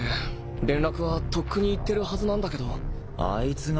連絡はとっくに行ってるはずなんだけど。